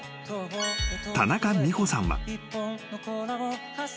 ［田中美穂さんは］